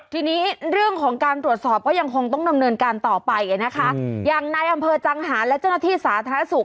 ทีนี้เรื่องของการตรวจสอบก็ยังคงต้องดำเนินการต่อไปนะคะอย่างนายอำเภอจังหารและเจ้าหน้าที่สาธารณสุข